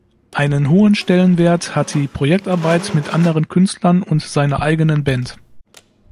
Einen hohen Stellenwert hat die Projektarbeit mit anderen Künstlern und seiner eigenen Band.